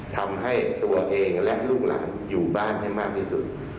ทำให้ตัวเองและลูกหลานอยู่บ้านให้มากที่สุด